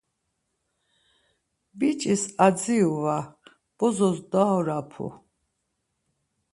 Biç̌is adziru var, bozos daoropu.